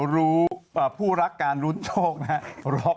รู้ผู้รักการลุ้นโชคนะครับ